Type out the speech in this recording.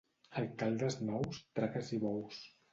Alcaldes nous, traques i bous.